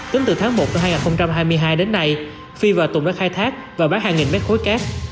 tính từ tháng một năm hai nghìn hai mươi hai đến nay phi và tùng đã khai thác và bán hai mét khối cát